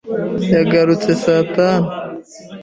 Yagarutse saa tanu.